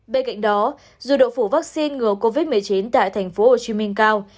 bên cạnh đó dù độ phủ vaccine ngừa covid một mươi chín tại tp hcm cao